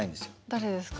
誰ですか？